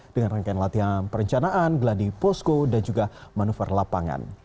dengan rangkaian latihan perencanaan geladi posko dan juga manuver lapangan